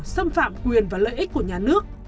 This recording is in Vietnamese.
xâm phạm quyền và lợi ích của nhà nước